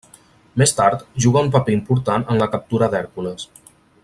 Més tard, juga un paper important en la captura d'Hèrcules.